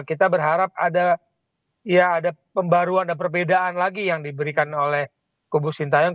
kita berharap ada pembaruan dan perbedaan lagi yang diberikan oleh kubu sintayong